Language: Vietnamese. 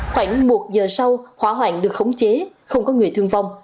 khoảng một giờ sau hỏa hoạn được khống chế không có người thương vong